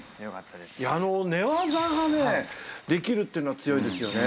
あの寝技がねできるっていうのは強いですよね。